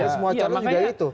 semua calon juga itu